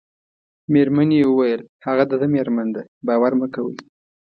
مېرمنې یې وویل: هغه د ده مېرمن ده، باور مه کوئ.